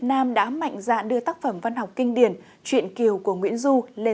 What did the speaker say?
nam đã mạnh dạn đưa tác phẩm văn học kinh điển chuyện kiều của nguyễn du lên sân khấu vừa diễn